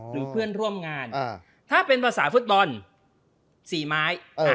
หรือเพื่อนร่วมงานถ้าเป็นภาษาฟุตบอลสี่ไม้